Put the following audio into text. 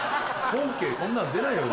本家こんなの出ないよ